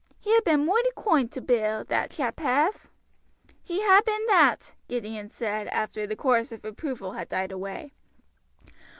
He ha' been moighty koind to Bill, that chap hav." "He ha' been that," Gideon said, after the chorus of approval had died away.